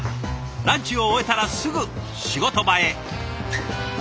ランチを終えたらすぐ仕事場へ。